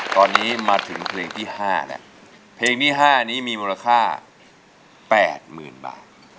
ตอนนี้มาถึงเพลงที่ห้าเนี่ยเพลงที่ห้านี้มีมูลค่าแปดหมื่นบาท